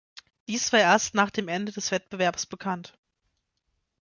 Dies war erst nach dem Ende des Wettbewerbs bekannt.